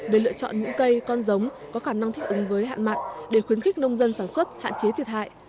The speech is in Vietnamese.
về lựa chọn những cây con giống có khả năng thích ứng với hạn mặn để khuyến khích nông dân sản xuất hạn chế thiệt hại